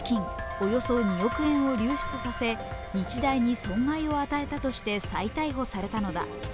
およそ２億円を流出させ日大に損害を与えたとして再逮捕されたのだ。